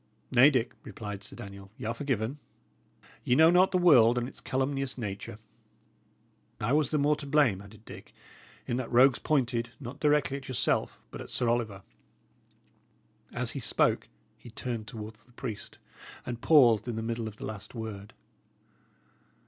"Nay, Dick," replied Sir Daniel, "y' are forgiven. Ye know not the world and its calumnious nature." "I was the more to blame," added Dick, "in that the rogues pointed, not directly at yourself, but at Sir Oliver." As he spoke, he turned towards the priest, and paused in the middle of the last word.